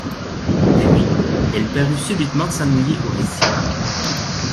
Puis, elle parut subitement s'ennuyer au récit.